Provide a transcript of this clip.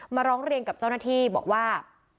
ร้องเรียนกับเจ้าหน้าที่บอกว่า